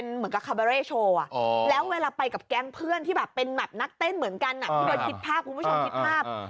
แล้วเวลาไปกับแก๊งเพื่อนที่แบบเป็นหนักเต้นเหมือนกันอ่ะที่โดยคิดภาพคุณผู้ชมคิดภาพ